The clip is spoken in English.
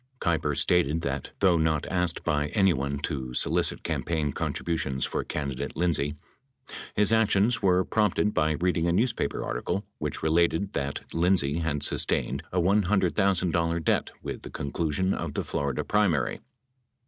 Keiper stated that though not asked by anyone to solicit campaign contributions for can didate Lindsay, his actions were prompted by reading a newspaper article which related that Lindsay had sustained a $100,000 debt with the conclusion of the Florida primary.